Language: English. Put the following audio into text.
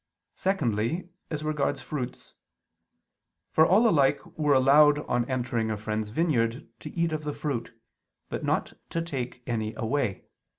Secondly, as regards fruits. For all alike were allowed on entering a friend's vineyard to eat of the fruit, but not to take any away.